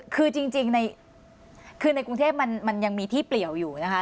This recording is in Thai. คือจริงคือในกรุงเทพมันยังมีที่เปลี่ยวอยู่นะคะ